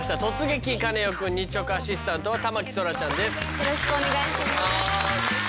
よろしくお願いします。